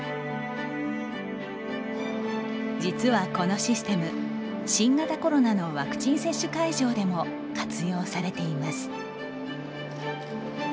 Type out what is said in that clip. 実はこのシステ厶、新型コロナのワクチン接種会場でも活用されています。